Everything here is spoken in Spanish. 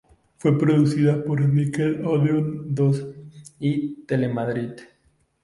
Fue producida por Nickel Odeón Dos y Telemadrid.